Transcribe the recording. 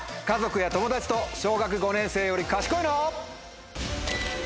家族や友達と小学５年生より賢いの？